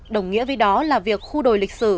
đồng nghĩa với đó là việc khu đồi lịch sử